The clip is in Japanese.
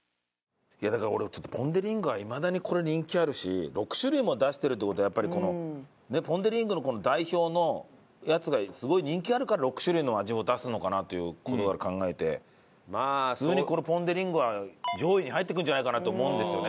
だから俺ポン・デ・リングはいまだにこれ人気あるし６種類も出してるって事はやっぱりポン・デ・リングの代表のやつがすごい人気あるから６種類の味を出すのかなという事から考えて普通にこれポン・デ・リングは上位に入ってくるんじゃないかなと思うんですよね。